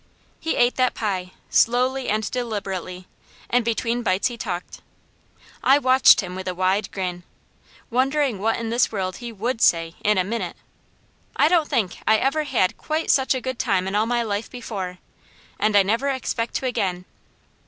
He ate that pie, slowly and deliberately, and between bites he talked. I watched him with a wide grin, wondering what in this world he WOULD say, in a minute. I don't think I ever had quite such a good time in all my life before, and I never expect to again.